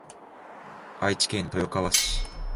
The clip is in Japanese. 愛知県豊川市